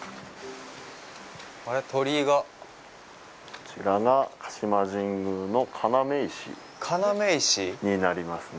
こちらが鹿島神宮の要石になりますね。